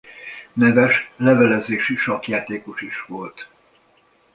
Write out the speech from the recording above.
Neves levelezési sakkjátékos is volt.